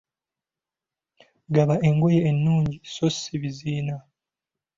Gaba engoye ennungi sso si biziina.